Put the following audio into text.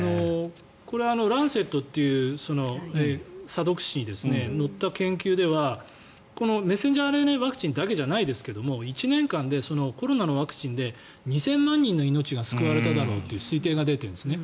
これは「ランセット」という査読誌に載った研究ではメッセンジャーＲＮＡワクチンだけじゃないですが１年間でコロナのワクチンで２０００万人の命が救われただろうという推定が出ているんですね。